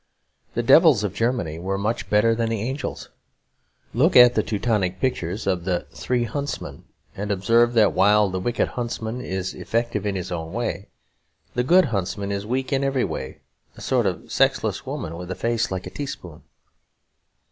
The devils of Germany were much better than the angels. Look at the Teutonic pictures of "The Three Huntsmen" and observe that while the wicked huntsman is effective in his own way, the good huntsman is weak in every way, a sort of sexless woman with a face like a teaspoon.